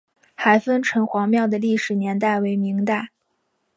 海丰城隍庙的历史年代为明代。